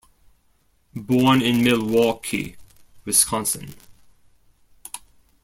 Born in Milwaukee, Wisconsin.